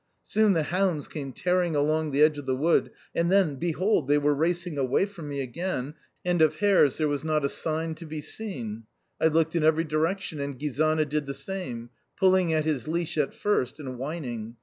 Soon the hounds came tearing along the edge of the wood, and then behold, they were racing away from me again, and of hares there was not a sign to be seen! I looked in every direction and Gizana did the same pulling at his leash at first and whining.